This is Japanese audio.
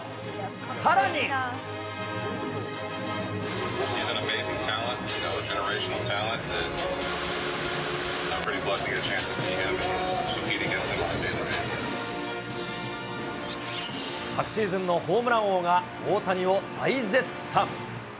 さらに。昨シーズンのホームラン王が、大谷を大絶賛。